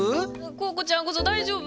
コウコちゃんこそ大丈夫？